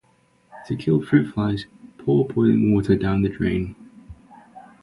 To kill fruit flies, pour boiling water down the drain.